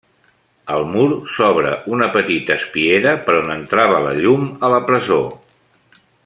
Al mur s'obre una petita espiera per on entrava la llum a la presó.